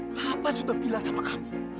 pak pak sudah bilang sama kamu